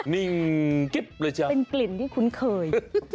นิ่งกิ๊บเลยจ้ะเป็นกลิ่นที่คุ้นเคย